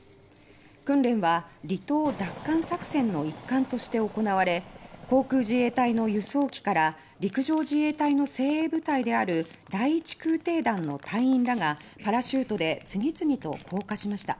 訓練は離島奪還作戦の一環として行われ航空自衛隊の輸送機から陸上自衛隊の精鋭部隊である第１空挺団の隊員らがパラシュートで次々と降下しました。